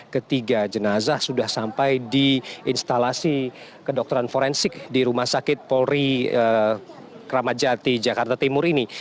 ketiga jenazah sudah sampai di instalasi kedokteran forensik di rumah sakit polri kramat jati jakarta timur ini